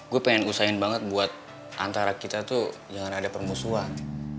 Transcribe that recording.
gue pengen usahain banget buat antara kita tuh jangan ada permusuhan